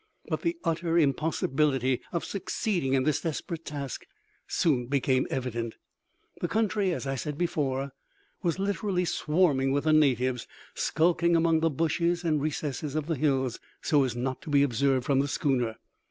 But the utter impossibility of succeeding in this desperate task soon became evident. The country, as I said before, was literally swarming with the natives, skulking among the bushes and recesses of the hills, so as not to be observed from the schooner.